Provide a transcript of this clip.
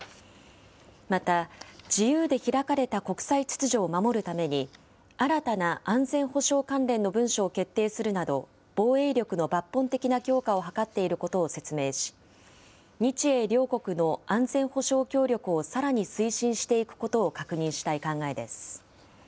また、自由で開かれた国際秩序を守るために、新たな安全保障関連の文書を決定するなど、防衛力の抜本的な強化を図っていることを説明し、日英両国の安全保障協力をさらに推進していくことを確認したい考えです。